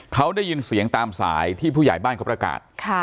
เขาได้ยินเสียงตามสายที่ผู้ใหญ่บ้านเขาประกาศ